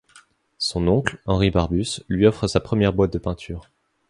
Son oncle, Henri Barbusse, lui offre sa première boîte de peinture.